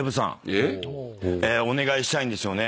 お願いしたいんですよね。